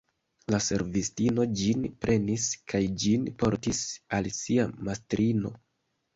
La servistino ĝin prenis kaj ĝin portis al sia mastrino.